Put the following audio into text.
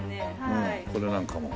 うん。これなんかも。